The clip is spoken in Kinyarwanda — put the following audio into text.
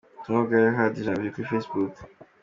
Ubutumwa bwa Hadi Janvier kuri Facebook.